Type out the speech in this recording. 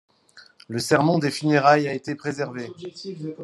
Le sermon des funérailles a été préservé.